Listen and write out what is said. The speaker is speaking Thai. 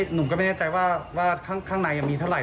หนูก็ไม่แน่ใจว่าข้างในมีเท่าไห